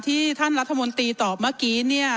ที่ท่านรัฐมนตรีตอบเมื่อกี้เนี่ย